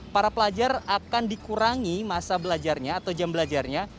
para pelajar akan dikurangi masa belajarnya atau jam belajarnya